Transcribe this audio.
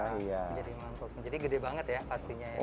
menjadi mangkuk jadi gede banget ya pastinya ya